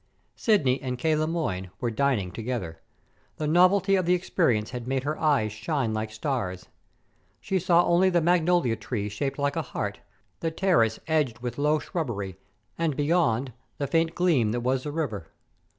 Sidney and K. Le Moyne were dining together. The novelty of the experience had made her eyes shine like stars. She saw only the magnolia tree shaped like a heart, the terrace edged with low shrubbery, and beyond the faint gleam that was the river.